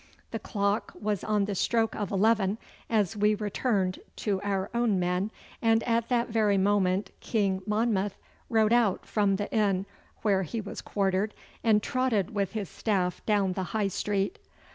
The clock was on the stroke of eleven as we returned to our own men, and at that very moment King Monmouth rode out from the inn where he was quartered, and trotted with his staff down the High Street.